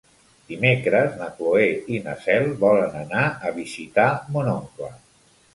Dimecres na Cloè i na Cel volen anar a visitar mon oncle.